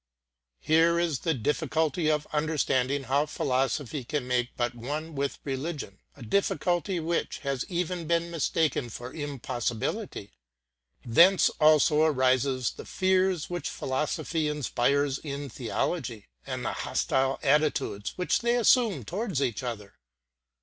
Here is the difficulty of understanding how philosophy can make but one with religion, a difficulty which has even been mistaken for impossibility. Thence also arise the fears which philosophy inspires in theology and the hostile attitudes which they assume towards each other.